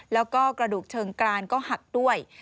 แล้วก็กระดูกเชิงกรานก็หักด้วย